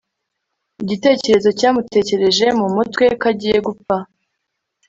igitekerezo cyamutekereje mu mutwe ko agiye gupfa